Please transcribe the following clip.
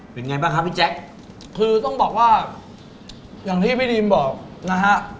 เป็นไงบ้างครับพี่แจ๊คคือต้องบอกว่าอย่างที่พี่ดีมบอกนะฮะ